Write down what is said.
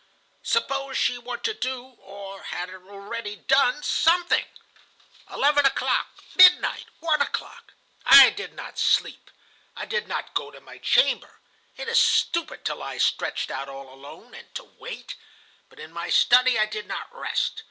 "Suppose she were to do, or had already done, something. "Eleven o'clock, midnight, one o'clock. ... I did not sleep. I did not go to my chamber. It is stupid to lie stretched out all alone, and to wait. But in my study I did not rest.